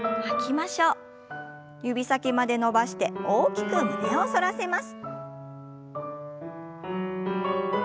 指先まで伸ばして大きく胸を反らせます。